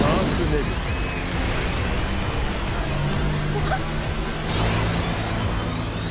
あっ。